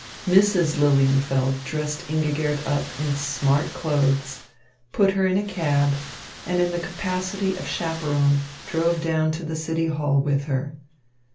Mrs. Lilienfeld dressed Ingigerd up in "smart" clothes, put her in a cab, and in the capacity of chaperone drove down to the City Hall with her.